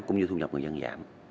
cũng như thu nhập người dân giảm